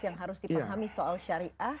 yang harus dipahami soal syariah